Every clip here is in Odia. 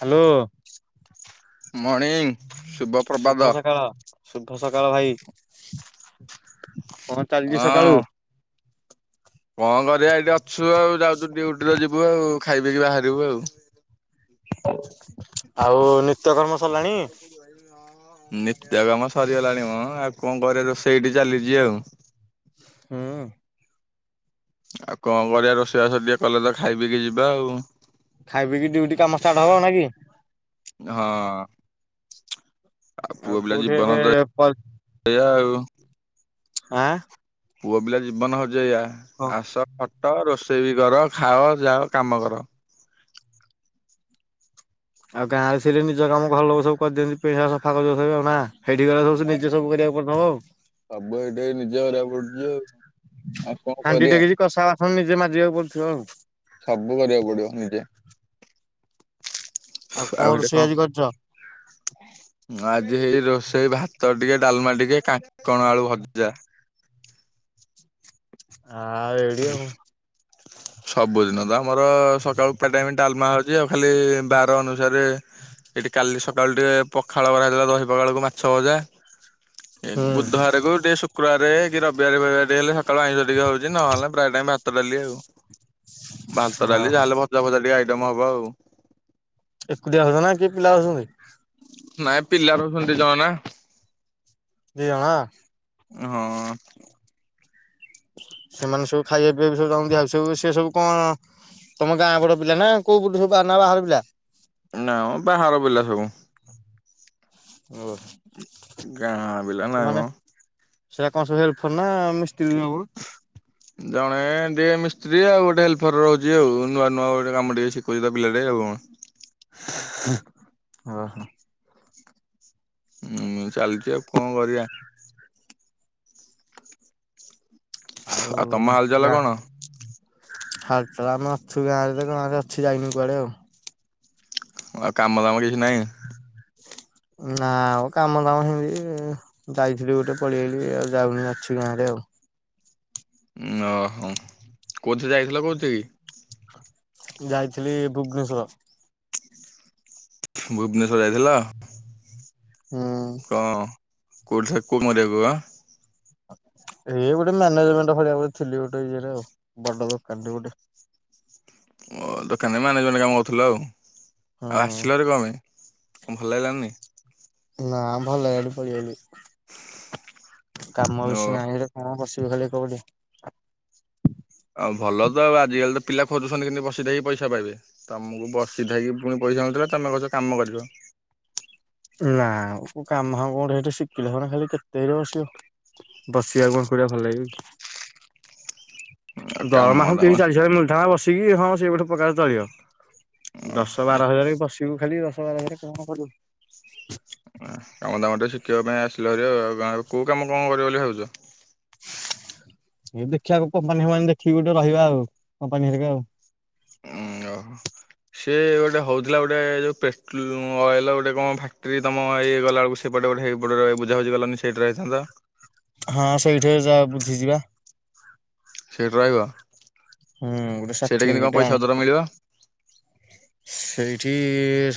ହାଲୋ। ମର୍ଣ୍ଣିଂ ଶୁଭ ପ୍ରଭାତ ସକାଳ ଶୁଭ ସକାଳ ଭାଇ। କଣ ଚାଲିଚି ସକାଳୁ? କଁ କରିବା ଏଇଠି ଅଛୁ ଆଉ ଯାଉଚୁ ଡିୟୁଟିତ ଯିବୁ ଆଉ ଖାଇ ପିଇକି ବାହାରିବୁ ଆଉ। ଆଉ ନିତ୍ୟକର୍ମ ସରିଲାଣି? ନିତ୍ୟ କାମ ସରିଗଲାଣି ମ ଆଉ କଁ କରିବା ରୋଷେଇ ଏଇଠି ଚାଲିଚି ଆଉ। ହୁଁ। ଆଉ କଁ କରିବା ରୋଷେଇ ବାସ ଟିକେ କଲେ ତ ଖାଇ ପିଇକି ଯିବା ଆଉ। ଖାଇ ପିଇକି ଡ୍ୟୁଟି କାମ ଷ୍ଟାର୍ଟ ହବ ନା କି? ହଁ ଆଉ ପୁଅ ପିଲା କୋଉଠି ଏବେ ଜୀବନ ତ ଏୟା ଆଉ। ଆଁ। ପୁଅ ପିଲା ଜୀବନ ହୋଉଚି ଏୟା ଆସ ଖଟ ରୋଷ୍ ଷେଇ ବି କର ଖାଅ ଯାଅ କାମ କର। ଆଉ ଗାଁରେ ସିରି ନିଜ କାମ ଘର ଲୋକୋ ସବୁ କରିଦିଅନ୍ତି ପେଁ, ସା ସଫା କରିଦୋଉଥେବେ ଆଉ ନା। ହେଇଠି କି ଗଲାଠୁ ନିଜେ ସବୁ କରିବାକୁ ପଡୁଥିବ ଆଉ। ସବୁ ଏଇଠି ନିଜେ କରିବାକୁ ପଡୁଚି ଆଉ ଆଉ କଣ ହାଣ୍ଡି କରିବା। ଟେକିଚି କଂସା ବାସନ ନିଜେ ମାଜିବାକୁ ପଡୁଥିବ ଆଉ। ସବୁ କରିବାକୁ ପଡିବ ନିଜେ କଣ ଆଉ ହେଟି ରୋଷେଇ କଁ ଆଜି କରିଛ? ଆଜି ହେଇଚି ରୋଷେଇ ଭାତ ଟିକେ ଡାଲମା ଟିକେ କାଙ୍କଣ ଆଳୁ ଭଜା। ଆ ଏଇଢି ଆଉ। ସବୁଦିନ ତ ଆମର ସକାଳୁ ପ୍ରାୟେ ଟାଇମ ଡାଲମା ହୋଉଚି ଆଉ ଖାଲି ବାର ଅନୁସାରେ ଏଠି କାଲି ସକାଳୁ ଟିକେ ପଖାଳ [unintelligible] ଦହି ପଖାଳକୁ ମାଛ ଭଜା ଏ ହୁଁ ବୁଧୁବାରକୁ ଟିକେ ଶୁକ୍ରବାର କି ରବିବାର ବେଳେ ବେଳେ ଟିକେ ହେଲେ ସକାଳୁ ଆଇଁଶ ଟିକେ ହୋଉଚି। ନହେଲେ ପ୍ରାୟ ଟାଇମ୍ ଭାତ ଡାଲି ଆଉ ଭାତ ଡାଲି ଓହୋ ଯାହେଲେ ଭଜା ଫଜା ଟିକେ ଆଇ ଟମ୍ ହବ ଆଉ। ଏକୁଟିଆ ଅଛନା କିଏ ପିଲା ଅଛନ୍ତି। ନାଇଁ ପିଲା ରହୁଛନ୍ତି ଦିଜଣ ନା। ଦି ଜଣ ହଁ। ସେମାନେ ସବୁ ଖାଇବା ପିଇବା ସବୁ ଆଉ ସବୁ ସେ ସବୁ କଣ ତମ ଗାଁ ବଡ ପିଲା ନା କୋଉୁ [inaudible] ନା ବାହାର ପିଲା? ନା ମ ବାହାର ପିଲା ସବୁ। ଓ। ଗାଁ ପିଲା ନାଇଁମ। ସେଇଟା କଣ ସବୁ ହେଲଫର ନା ମିସ୍ତ୍ରୀ ଜଣେ ଟିକେ ମିସ୍ତ୍ରୀ ଆଉ ଗୋଟେ ହେଲ୍ପର ରହୁଛି ଆଉ ନୂଆ ନୂଆ ଗୋଟେ କାମ ଟିକେ ଶିଖଉଛି ତ ପିଲାଟେ ଆଉ। [inaudible] ଓ ହୋ। ହଁ ଚାଲିଛି ଆଉ କଣ କରିବା? ଆଉ ତମ ହାଲଚାଲ ଗା କଣ ହାଲ୍ ଚାଲ୍ ଆମେ ଅଛୁ ଗାଁରେ ତ ଗାଁରେ ଅଛୁ ଯାଇନୁ କୁଆଡେ ଆଉ। ଆଉ କାମ ଦାମ କିଛି ନାହିଁ? ନା ଆଉ କାମ ଦାମ ହେଁତି- ଯାଇଥିଲି ଗୋଟେ ପଳେଇ ଆଇଲି ଆଉ ଯାଉନି ଅଛି ଗାଁରେ ଆଉ। ହ ଓ ହୋ କୋଉଥିରେ ଯାଇଥିଲ କୋଉଥି କି? ଯାଇଥିଲି ଭୁବନେଶ୍ଵର। ଭୁବନେଶ୍ଵର ଯାଇଥିଲ। ହୁଁ କଣ କୋଉଠି କୋଉ ଠାକୁ ମରିବାକୁ ଅଁ-! ଏଇ ଗୋଟେ ମ୍ୟାନେଜମେଣ୍ଟ ଭଳିଆ ଥିଲି ଗୋଟେ ଇଏରେ ଆଉ ବଡ ଦୋକାନ ଗୋଟେ। ଓ ଦୋକାନ ମ୍ୟାନେଜ ମ କାମ କରୁଥିଲ ଆଉ। ହଁ ଆଉ ଆସିଲ ଭାରି କପାଇ ଭଲ ଲାଗିଲାନି। ନାଁ ଭଲ ଲାଗିଲାନି ଏଇଟି ପଲେଇ ଆଇଲି, କାମ ଓ ବେଶୀ ନାହିଁ ସେଠି କଣ ବସି ତୁ ଖାଲି କୋଉଠି ଉ ଭଲ ତ ଆଜିକାଲି ତ ପିଲା ଖୋଜୁଛନ୍ତି କିମିତି ବସିଥାଇ କି ପଇସା ପାଇବେ, ତ ମୁଁ ବସିଥାଇକି ପୁଣି ପଇସା ନଥିଲା, ତମେ କହୁଚ କାମ କରିବ? ନାଁ କାମ ହଉ କୋଉଠି ସେଠି ଶିଖିଲେ ହବ ଖାଲି କେତେ ଘରେ ବସିବ। ବସିବାକୁ କଣ ଏକୁଟିଆ ଭଲ ଲାଗିବ କି? ଆଉ କାମ ଦରମା ହ ତିରିଶ ଚାଳିଶ ହଜାର ମିଳିଥାନ୍ତା ବସିକି, ହଁ ସେଇଗୋଟେ ପ୍ରକାର ଚଳିବ! ଦଶ ଦାମ ବାର ହଜାରେ ବସିବୁ ଖାଲି ଦଶ ବାର ହଜାର କଣ କରିବ? ହଁ କାମ ଦାମ ଟେ ଶିଖିବା ପାଇଁ ଆସିଲ ଭାରି, ଆଉ କୋଉ କାମ କଣ କରିବ ବୋଲି ଭାବୁଚ? ଏଇ ଦେଖିବାକୁ କମ୍ପାନୀ ଫମ୍ପାନୀ ଦେଖିକି ଗୋଟେ ରହିବା ଆଉ, କମ୍ପାନୀ ହେରିକ ଆଉ। ଉଁ ଓହୋ ସିଏ ଗୋଟେ ହଉଥିଲା ଗୋଟେ ଯୋଉ ପେଟ୍ରୋଲ ଅଏଲର, ଗୋଟେ କଣ ଫ୍ୟାକ୍ଟ୍ରି ତମ ଇ ଗଲାବେଳକୁ ସେପଟେ ଗୋଟେ ହେଇ ବୁଝା ବୁଝି କଲନି ସେଇଠି ରହିଥାନ୍ତ। ହଁ ସେଇଠି ଯା ବୁଝିଯିବା। ସେଇଠି ରହିବ? ହୁଁ ଗୁଟେ ସେଇଟା କେମିତି କଣ ଷାଠିଫିକେଟ୍ ପଇସା ପତର ଆଣିଲୁ ମିଳିବ? ସେଇ ଏଠି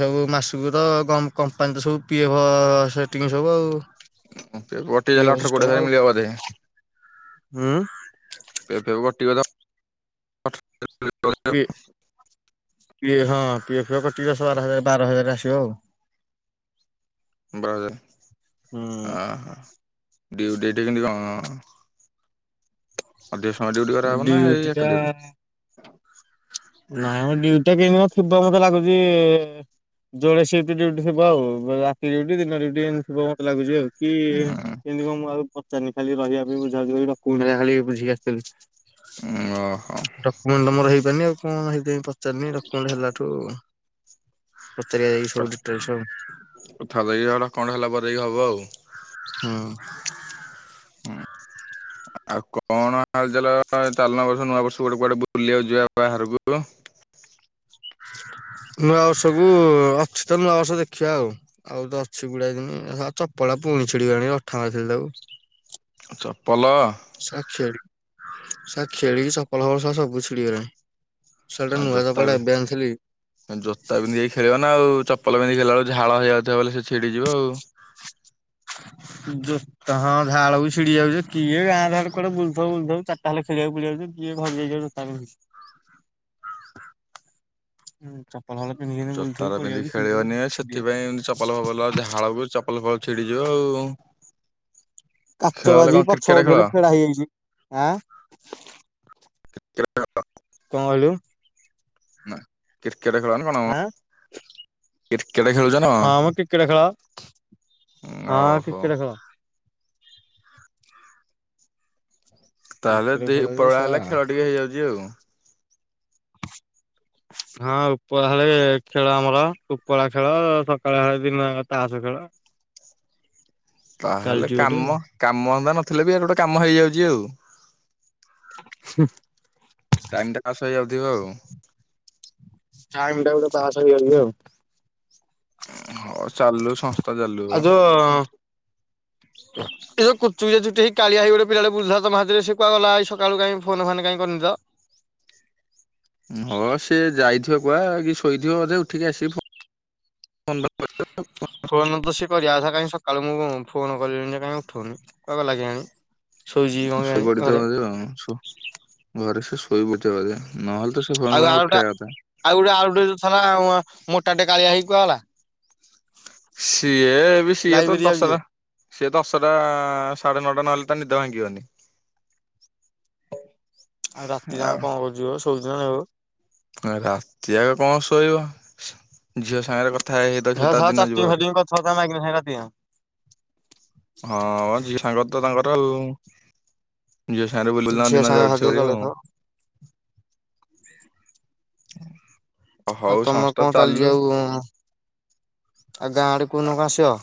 ସବୁ ମାସକୁ ତ କମ୍ପାନୀ ତ ସବୁ ପିଏଫ ସେଟିଂ ସବୁ ଆଉ। [unintelligible] ପି ଦେଲେ ଏଫ୍ ଅଠର ସିଷ୍ଟମ କୋଡିଏ ହଜାର ଆଉ ମିଳିବ ବୋଧେ! ହୁଁ। ପି ଏଫ୍ କଟିିବ ତ? ପି ପି ହଁ ପି ଏଫ୍ କଟି ଦଶ ବାର ହଜାର ବାର ହଜାର ଆସିବ ଆଉ। ବାର ହୁଁ। ହ ଆଁ ହଁ ଡିଉଟି ସେଠି କେମିତି କଣ? ହ ଅଧିକ ସମୟ ଡ୍ୟୁଟି କରାହେବ ନା ହେଇ ଏକା ଡ୍ୟୁଟି? ନାଇଁ ମୁଁ ଡିଉଟି [unintelligible] ଥିବ ମତେ ଲାଗୁଛି ଯୋଡେ ସିପ୍ଟି ଡିଉଟି ଥିବ ଆଉ ରାତି ଡିଉଟି ଦିନ ଡିଉଟି ଏମିଟି ଥିବ ମତେ ଲାଗୁଛି ଆଉ! କି ଉଁ କେମିତି କ ମୁଁ ଆଉ ପଚାରିନି ଖାଲି ରହିବା ପାଇଁ ବୁଝା ବୁଝି କରିକି ଡକ୍ୟୁମେଣ୍ଟ ହେଗିରା ଖାଲି ଖାଲି ବୁଝିକି ଆସିଥିଲି। ଓହୋ। ଯିବାନି ଆଉ କଣ ସେଇଥିପାଇଁ ପଚାରନି ଡକ୍ୟୁମେଣ୍ଟ ହେଲାଠୁ ପଚାରିବା ଯାଇକି ସବୁ ଡିଟେଲସ ଆଉ କଥା ଦେଇଚ ଡକ୍ୟୁମେଣ୍ଟ ହେଲା ପରେ ଯାଇଁ ହବ ଆଉ। ହଁ। ଆଉ କଣ ହାଲ ଚାଲ ଚାଲୁନ ଏବର୍ଷ ନୂଆ ବର୍ଷ ଗୋଟେ କୁଆଡେ ବୁଲିବାକୁ ଯିବା ବାହାରକୁ। ହଁ। [inaudible] ନୂଆବର୍ଷକୁୁ ଅଛି ତ ନୂଆବର୍ଷ ଦେଖିବା ଆଉ, ଆଉ ତ ଅଛି ପୁଲାଇ ଦିନ ଆଉ ଚପଲ ପୁଣି ଛିଡି ଗଲାଣି ଅଠା ମାରିଥିଲି ତାକୁ। ଚପଲ ସ ଖେଳ ସ ଖେଳିିକି ଚପଲ ଫପଲ ହବ ସବୁ ଛିଡି ଗଲାଣି। ଆଉ ଜୋତା ବି ଜୋତା ପିନ୍ଧିକି ଯାଇକି ଖେଳିବ ନା ଆଉ, ଚ ଚପଲ ପିନ୍ଧି ଖେଳିଲା ବେଳକୁ ଝାଳ ହେଇ ଯାଉଥିବ ବୋଲି ସେ ଛିଡିଯିବ ଆଉ। ହଁ। ଜୋତା ହଁ ଝାଳକୁ ଛିଡି ଯାଉଛି, କିଏ ଗାଁ ଦାଣ୍ଡେ କୁଆଡେ ବୁଲଥିବ ବୁଲଥିବ, ଚାରିଟା ହେଲେ ଖେଳିବାକୁ ପଡ଼ିଆକୁ ଯିବ। [unintelligible] ଜୋତାଟା ପିନ୍ଧିକି ଖେଳିବନି, ସେଥିପାଇଁ ଏମିତି ଚପଲ ଫପଲ ଝାଳକୁୁ ଚପଲ ଫପଲ ଛିଡିଯିବ। ହଉ। [inaudible] କାଚ ବାଜିିକି କ୍ରିକେଟ ପଛପଟୁ ଖେଳ ହେଲେ ଫେଡା ହେଇଯାଇଛି, ଆଁ କଣ କହିଲୁ? ନା କ୍ରିକେଟ ଖେଳ ନା କଣ? ଆଁ କ୍ରିକେଟ ଖେଳୁଛ ନା ହଁ ମ କଣ? କ୍ରିକେଟ ଖେଳ ହଁ ଓହୋ। କ୍ରିକେଟ ଖେଳ। ତାହେଲେ କ୍ରିକେଟ ଦି ଖେଳରେ ଉପରବେଳା ସା ହେଲେ, ଖେଳ ଟିକେ ହେଇଯାଉଛି ଆଉ। [inaudible] ହଁ ଉପରବେଳା ହେଲେ ଖେଳ ଆମର, ଉପରବେଳା ଖେଳ ସକାଳ ହେଲେ ଦିନଯାକ ତାସ ଖେଳ। [inaudible] ତାହେଲେ ଚାଲିଚି ଗୋଟେ ଆଉ। କାମ, କାମ ଧନ୍ଦା ନଥିଲେ ବି ଆଡେ ଗୋଟେ କାମ ହେଇଯାଉଛି ଆଉ। ହୁଁ। ଟାଇମ ଟା ପାସ୍ ହେଇଯାଉଥିବ ଆଉ। ଟାଇମ୍ ଟା ଗୋଟେ ପାସ୍ ହେଇ ଯାଉଛି ଆଉ। ହଁ ଚାଲୁ ସଂସ୍ଥା ଚାଲୁ ଆଉ ବା। ଯୋଉ ଏ ଯୋଉ କୁଞ୍ଚୁ କୁଞ୍ଚିଆ ଚୁଟି ହେଇ କାଳିଆ ହେଇ ଗୋଟେ ପିଲାଟେ ବୁଲୁ ଥିଲା ତମ ସାଥିରେ, ସେ କୁଆଡେ ଗଲା, ଆଜି ସକାଳୁ କାଇଁ ଫୋନ୍ ଫାନ କାଇଁ କରିନି ତ! ହଁ ସିଏ ଯାଇଥିବ କୁଆ କି ଶୋଇଥିବ ବଧେ ଉଠିକି ଆସିବି। ପନ୍ଦ ଫୋନ ତ ସି କରିବା କଥା କାଁ ସକାଳୁ ମୁ ଫୋନ କଲିିଣି ଯେ କାଇଁ ଉଠଉନି କୁହା କ ଲାଗୋଣି। ଶୋଇ ପଡିଥ ଆ ଘରେ ସେ ଶୋଇ ବୁଝ ବେ ନହେଲେ ତ ସେ ଫୋନ ଫନ ଉଠେଇ କଥା ମୋଟା ଟେ କାଳିଆ ହେଇକ ହେଲା। ସିଏ ଏବେ ସିଏ ତ ଲାଇବ୍ରେରୀ ଯାଉଛି ଝିଅ ଦଶସା ସେିଏ ଦଶଟା ସାଢେ ନଅଟା ନହେଲେ ତା ନିଦ ଭାଙ୍ଗିବନି। ଆଉ ରାତି ଯା କଣ କରୁଛ ସବୁଦିନ ନେବ। ରାତି ଯକ କଣ ଶୋଇବ। ଝିଅ ସାଙ୍ଗରେ କଥା ହେଇ ହେଇାଉଛ ହେ ତା ଶଳା ଦିନ ଚାଟିଙ୍ଗ ଯିବରେ ଫାଟିଙ୍ଗ କଥାବାର୍ତ୍ତା ମାଗିନା ସାଙ୍ଗେ ରାତି ଯାକ ହଁ ଯିକେ ସାଙ୍ଗ ତ ତାଙ୍କର ଆ ଜ ସାରଲ ଝିଅ ଦିନ ସାଙ୍ଗ ସାଥି ଯାଉଛିଉ ଚଲେଇଥିବ। [inaudible] ଆଉ ହଉ ତମେ ସଂସ୍ଥା କଣ ତାହଲି ଚାଲୁ। ଯ ଆଉ ଆଉ ଗାଁ ଆଡେ କୋଉନ କ ଆସିବ।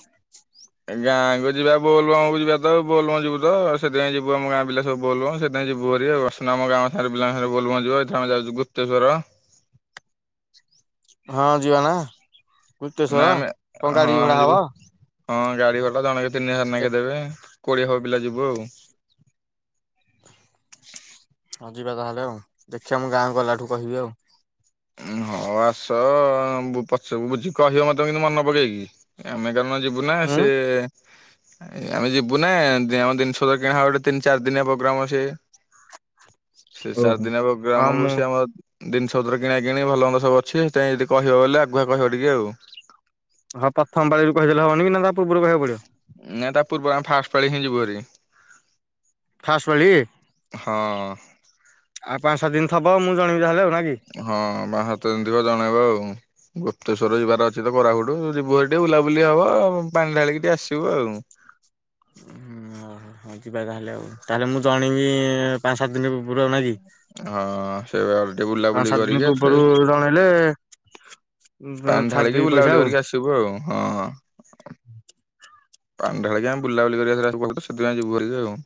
ଏା ଯିବା ବୋଲବମକୁ ଯିବା ତ ବୋଲବମ୍ ଯିବୁ ତ ଆ ସେପାଇଁ ଯିବୁ ଆମ ଗାଁ ପିଲା ସବୁ ବୋଲବମ୍ ସେଥି ପାଇଁ ଯିବୁ ହେରି ଆମ ଗାଁ ସାରା ପିଲାଙ୍କ ସାଙ୍ଗରେ ବୋଲବମ୍ ଯିବ ଏଥର ଯାଉଛୁ ଗୁପ୍ତେଶ୍ୱର [inaudible] ହଁ ଯିବା ନା ଗୁପ୍ତେଶ୍ଵର ନାଇ ଆମେ କଣ ହଁ ଗାଡ଼ି ଭଡ଼ା ଆମେ ହବ? ଯିବୁ ହଁ ଗାଡି ଭଡା ଜଣକା ତିନି ହଜାର ନେଖେ ଦେବେ କୋଡିଏ ହବ ପିଲା ଯିବୁ ଆଉ ହଁ ଯିବା ତାହେଲେ ଆଉ ଦେଖିବା ମୁଁ ଗାଁକୁ ଗଲା ଠୁ କହିବି ଆଉ ଉ ହଉ ଆସ ପଛକୁ ବୁଝି କହିବ ମତେ କିୁ ମନେ ପକେଇକି ଆମେ କଣ ଯିବୁ ନା ଉଁ ସେ ଆମେ ଯିବୁ ନା ଆମ ଜିନିଷର କିଣା ହବ ଗୋଟେ ତିନି ଚାରି ଦିନିଆ ପ୍ରୋଗ୍ରାମ ଅଛି ସେ ଚାରି ଓହୋ। ଦିନ ହେ ହଁ ଗ୍ରାମକୁ ମୁଁ ସେ ଆମର ଦିନ ସଦର କିଣା କିଣି ଭଲ ମନ୍ଦ ସବୁ ଅଛି ସେଥିପାଇଁ ଯଦି କହିବ ବୋଲେ ଆଗୁଆ କହିବ ଟିକେ ଆଉ ହଁ ପ୍ରଥମ ପାଳି ରୁ କହିଦେଲେ ହବନି କି ନା ପୂର୍ବରୁ କହିବାକୁ ପଡିବ? ନାଇ ତା ପୂର୍ବରୁ ଆମେ ଫାଷ୍ଟ ପା ଳି ହି ଯିବୁହେରି ଫାଷ୍ଟ ପାଳି ହଁ ଆଉ ପାଞ୍ଚ ସାତ ଦିନ ଥବ ମୁଁ ଜଣେଇବି ତାହେଲେ ଆଉ ନା କି? ହଁ ମା ହାତଧଙ୍କ ଜଣେଇବ ଆଉ ଗୁପ୍ତେଶ୍ଵର ଯିବାର ଅଛି ତ କରାହ ଯିବୁ ଟିକେ ବୁଲାବୁଲି ହବ ପାଣି ଢାଳିକି ଟିକେ ଆସିବୁ ଆଉ ହଉ ଯିବା ତାହେଲେ ଆଉ ତାହେଲେ ମୁଁ ଜଣେଇବି ପାଞ୍ଚ ସାତ ଦିନ ପୂର୍ବରୁ ଆଉ ନା କି? ହଁ ସେ ଟିକେ ପାଞ୍ଚ ବୁଲାବୁଲି ସାତ ଦିନ କରିକି ଏଥିରେ ପୂର୍ବରୁ ଜଣେଇଲେ ଛାଡିଦେବି ପାଣିଢାଳିକି ପଇସା ବୁଲାବୁଲି ଆଉ। କରିକି ଆସିବୁ ଆଉ ହଁ [inaudible] ପାନ୍ ଢ଼ା ଳିକିଆମେ ବୁଲାବୁଲି କରିବା ସେଥିପାଇଁ ଯିବୁରିକି ଆଉ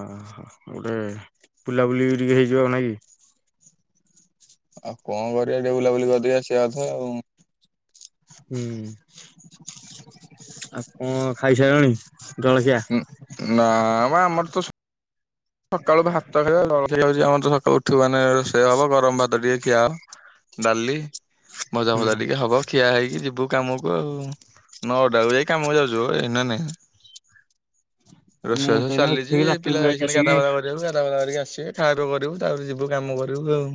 ଓ ଗୋଟେ ବୁଲାବୁଲି ଟିକେ ହେଇଯିବ ନାଇ କି ଆଉ କଣ କରିବା ଟିକେ ବୁଲାବୁଲି କରିଦେଇ ଆସିବା କଥା ଆଉ ହୁଁ ହ ଆଉ କଣ ଖାଇସାରିଲଣି ଜଳଖିଆ? ନା ଆମର ତ ସକାଳୁ ଭାତ ଖିଆ ରୋଷେଇ ହଉଛି ଆମର ସକାଳୁ ଉଠିବ ମାନେ ରୋଷେଇ ହବ ଗରମ ଭାତ ଟିକେ ଖିଆହେବ ଡାଲି ମଜା ହୁଁ ଫଜା ଟିକେ ହବ ଖିଆ ହେଇକି ଯିବୁ କାମକୁ ଆଉ ନ ଅଡାକୁ ଯାଇ କାମକୁ ଯାଉଛୁ ଏଇ ନ ନାଇଁ ରୋଷେଇ ମୁଁ ତ ବାସ ଏଇନା ଚାଲିଛି ଉଠିକି ପିଲା ଲାଟ୍ରିନ୍ ଯାଇକି ଖାଇଛନ୍ତି ଆସିକି କରିବାକୁା ବା କରିକ ଆିବେ ଖାଇର କରିବୁ ତାପରେ ଯିବୁ କାମ କରିବୁ ଆଉ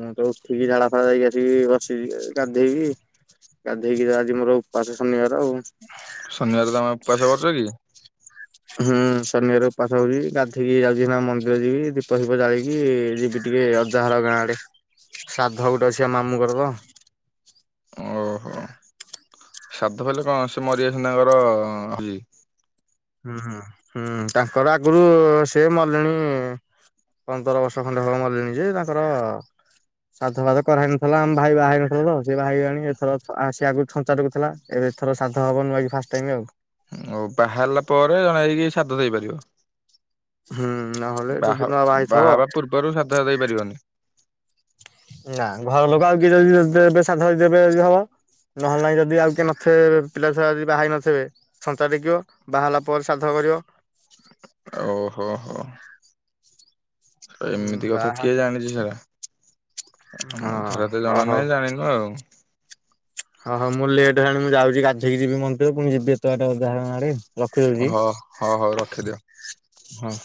ମୁଁ ତ ଉଠିକି ଝାଡା ଫାଡା ଯାଇକି ଆସିକି ବସିି ଗାଧେଇକି ଗାଧେଇକି ଆଜି ମୋର ଉପାସ ଶନିବାର ଆଉ ଶନିବାର ତମେ ଉପାସ କରୁଛ କି? ହଁ। ଶନିବାର ଉପାସ ହଉଛି ଗାଧେଇକି ଯାଉଛି ଏନା ମନ୍ଦିର ଯିବି ଦୀପ ଫିପ ଜାଳିକି ଯିବି ଟିକେ ଅଜା ଘର। ଗାଁ ଆଡେ ଶ୍ରାଦ୍ଧ ଗୋଟେ ଅଛି ଆ ମାମୁଁଙ୍କର ତ ଓହୋ। ସାଧ ବଲେ କଣ ସେ ମରିଯାଇଚନ୍ତି ତାଙ୍କର ହ ହୁଁ ହୁଁ ହୁଁ ତାଙ୍କର ଆଗରୁ ସେ ମଲେଣୀ ପନ୍ଦର ବର୍ଷ ଖଣ୍ଡେ ହବ ମରିଲେଣି ଯେ ତାଙ୍କର ସାଧ ଫାଦ କରାହେଇନଥିଲା ଆମ ଭାଇ ବାହା ହେଇ ନଥିଲା ତ ସେଏ ଭାଇ ଆଣି ଏଥର ଆସିବା ଆଗ ଛଞ୍ଚାଟେକୁ ଥିଲା ଏବେ ଏଥର ସାଧ ହବନି ବାକି ଫାଷ୍ଟ ଟାଇମ୍ ଆଉ। ଆଉ ବାହାହେଲା ପରେ ଜଣେ ହେଇକି ସାଧ ଦେଇପାରିବ। ହୁଁ ନହେଲେ ଯଦି ବାହା ନ ହେଇଥିବ ବାହାହବା ପୂର୍ବରୁ ସାଧ ଦେଇପାରିବନି। ନା ଘର ଲୋକ ଆଉ କିଏ ଯଦି ଦେବେ ସାଧ ଦେବେ ଯଦି ହବ। ନହେଲେ ନାଇଁ ଯଦି ଆଉ କିଏ ନଥିବେ ପିଲା ଛୁଆ ଯଦି ବାହା ହେଇ ନଥିବେ ଛଞ୍ଚା ଟେକିବ ବାହାହେଲା ପରେ ସାଧ। କରିବ। ଓହୋ ହୋ। ଏମିତି କଥା ବାହା କିଏ ଜାଣିଛି ସେଟ? ହଁ ମୁଁ ଥରେ ତ ଜଣା ନାହିଁ ଜାଣିନୁ ଆଉ। ଓଁ ହୋ ମୁଁ ଲେଟ୍ ହେଲାଣି ମୁଁ ଯାଉଛି ଗାଧେଇକି ଯିବି ମନ୍ଦିରରେ ପୁଣି ଯିବି ଏତେଟା ଅଜା ଘର ଆ ରେ ରଖିଦଉଛି ହ ହଉ ହଉ ରଖିଦିଅ। ହଁ। [inaudible]